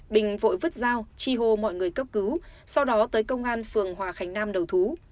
bình vội vứt dao chi hô mọi người cấp cứu sau đó tới công an phường hòa khánh nam đầu thú